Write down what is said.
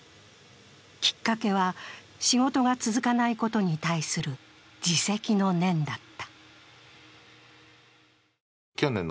きっかけは、仕事が続かないことに対する自責の念だった。